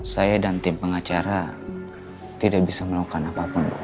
saya dan tim pengacara tidak bisa melakukan apapun